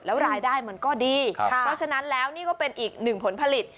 แล้วรายได้มันก็ดีเพราะฉะนั้นแล้วนี่ก็เป็นอีกหนึ่งผลผลิต